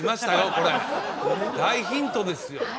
大ヒントですよ